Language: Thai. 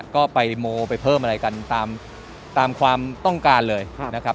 ก็ไปโมไปเพิ่มอะไรกันตามความต้องการเลยนะครับ